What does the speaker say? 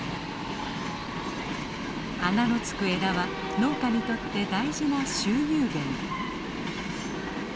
花の付く枝は農家にとって大事な収入源。